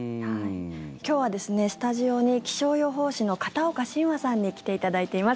今日はスタジオに気象予報士の片岡信和さんに来ていただいています。